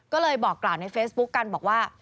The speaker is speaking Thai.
ก็เลยบอกกล่าวในเฟซบุ๊คกันบอกว่า